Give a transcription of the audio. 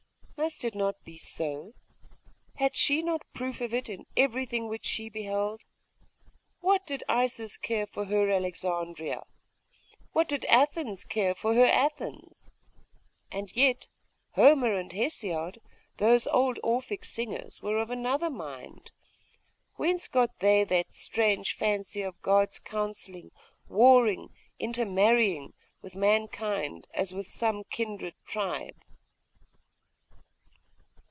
Must it not be so? Had she not proof of it in everything which she beheld? What did Isis care for her Alexandria? What did Athens care for her Athens?.... And yet Homer and Hesiod, and those old Orphic singers, were of another mind.... Whence got they that strange fancy of gods counselling, warring, intermarrying, with mankind, as with some kindred tribe?